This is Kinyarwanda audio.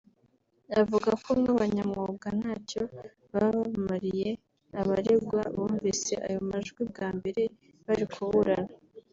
avuga ko nk’abanyamwuga ntacyo baba bamariye abaregwa bumvise ayo majwi bwa mbere bari kuburana